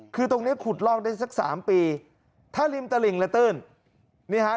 คือตรงนี้ขุดลอกได้สัก๓ปีถ้าริมตระหลิ่งแล้วตื้น